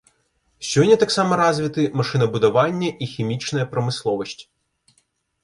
Сёння таксама развіты машынабудаванне і хімічная прамысловасць.